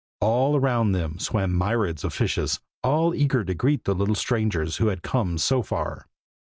All around them swam myriads of fishes, all eager to greet the little strangers who had come so far.